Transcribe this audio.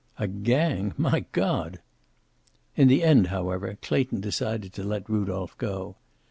"A gang! My God!" In the end, however, Clayton decided to let Rudolph go.